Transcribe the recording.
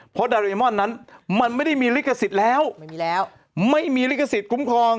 เพราะดาเรมอนนั้นมันไม่ได้มีลิขสิทธิ์แล้วไม่มีแล้วไม่มีลิขสิทธิ์คุ้มครอง